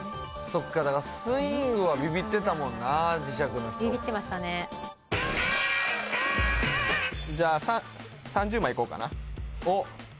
そっかだからスイングはびびってたもんな磁石の人じゃあ３０枚いこうかなお！